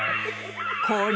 これ！